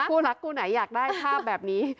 คู่รักคู่ไหนอยากได้ภาพแบบนี้